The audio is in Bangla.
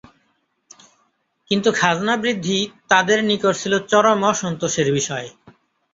কিন্তু খাজনা বৃদ্ধি তাদের নিকট ছিল চরম অসন্তোষের বিষয়।